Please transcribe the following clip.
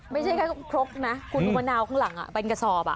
ไม่ใช่แค่ครกนะคุณมะนาวข้างหลังเป็นกระสอบ